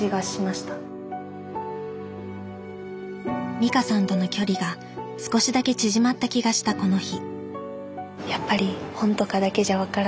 美香さんとの距離が少しだけ縮まった気がしたこの日